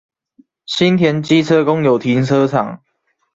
新田機車公有停車場